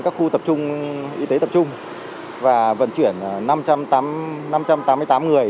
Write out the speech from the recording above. các khu tập trung y tế tập trung và vận chuyển năm trăm linh tám